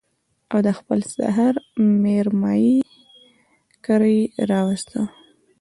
او د خپل سخر مېرمايي کره يې راوسته